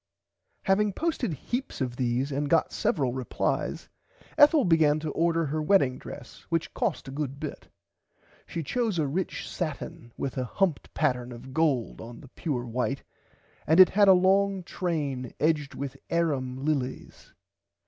P. Having posted heaps of these and got several replies Ethel began to order her wedding dress which cost a good bit. She chose a rich satin with a humped pattern of gold on the pure white and it had a long train [Pg 96] edged with Airum lilies.